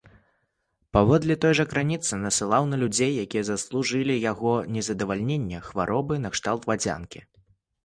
Паводле той жа крыніцы, насылаў на людзей, якія заслужылі яго незадавальненне, хваробы накшталт вадзянкі.